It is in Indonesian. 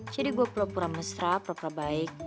jadi gue pura pura mesra pura pura baik